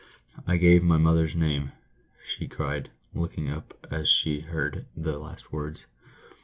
"I gave my mother's name," she cried, looking up as. she heard the last words.